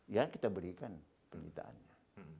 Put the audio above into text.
ya kita berikan penyitaannya